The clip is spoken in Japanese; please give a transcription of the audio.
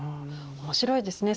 面白いですね。